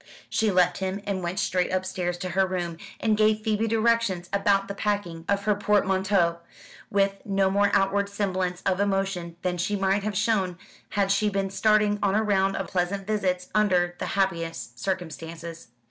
She left him, and went straight upstairs to her room, and gave Phoebe directions about the packing of her portmanteaux, with no more outward semblance of emotion than she might have shown had she been starting on a round of pleasant visits under the happiest circumstances.